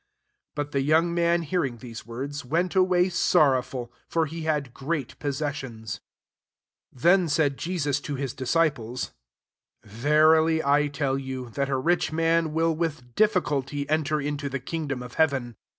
22 But the young man hearing these words, went away sorrow ful: for he had great posses sions* 23 Then said Jesus to his disc4)les, « Verily I tell you, that a rich man will with diffi culty enter into the kingdom of heaven.